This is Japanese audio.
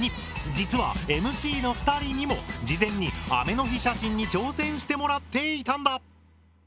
実はＭＣの２人にも事前に雨の日写真に挑戦してもらっていたんだ。